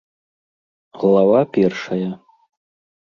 ГЛАВА ПЕРШАЯ.